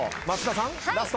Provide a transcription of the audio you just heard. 松田さん